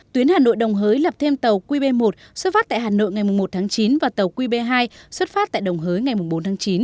tuyến hà nội đồng hới lập thêm tàu qb một xuất phát tại hà nội ngày một tháng chín và tàu qb hai xuất phát tại đồng hới ngày bốn tháng chín